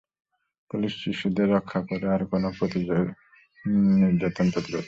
Police শিশুদের "রক্ষা" করে, আর কোন নির্যাতন প্রতিরোধ করে।